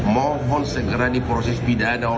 mohon segera di proses pidana